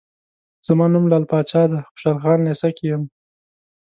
زما نوم لعل پاچا دی، خوشحال خان لېسه کې یم.